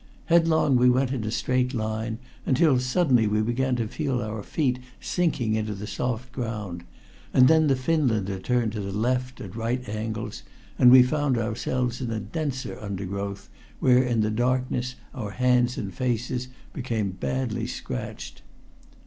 Headlong we went in a straight line, until suddenly we began to feel our feet sinking into the soft ground, and then the Finlander turned to the left, at right angles, and we found ourselves in a denser undergrowth, where in the darkness our hands and faces became badly scratched.